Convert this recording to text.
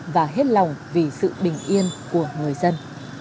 và hết lòng vì sự bình yên của người dân